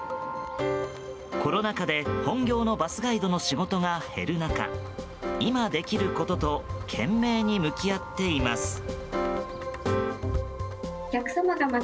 コロナ禍で本業のバスガイドの仕事が減る中今できることと懸命に向き合っています。